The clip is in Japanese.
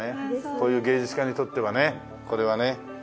そういう芸術家にとってはねこれはね。こんな。